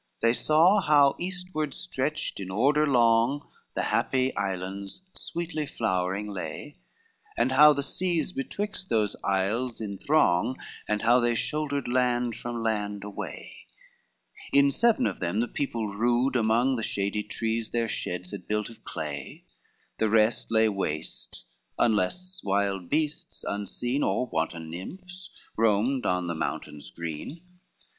XLI They saw how eastward stretched in order long, The happy islands sweetly flowering lay; And how the seas betwixt those isles enthrong, And how they shouldered land from land away: In seven of them the people rude among The shady trees their sheds had built of clay, The rest lay waste, unless wild beasts unseen, Or wanton nymphs, roamed on the mountains green.